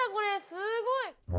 すごい。